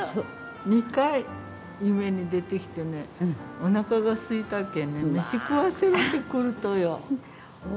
２回、夢に出てきてね、おなかがすいたけんね、飯食わせろって来るとよ。